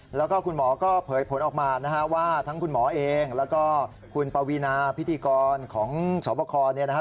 แล้วก็คุณหมอก็เผยผลออกมานะฮะว่าทั้งคุณหมอเองแล้วก็คุณปวีนาพิธีกรของสวบคเนี่ยนะครับ